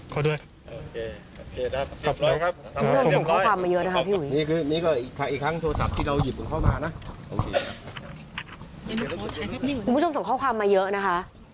คุณผู้ชมส่งข้อความมาเยอะนะคะ